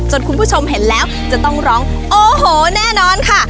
คุณผู้ชมเห็นแล้วจะต้องร้องโอ้โหแน่นอนค่ะ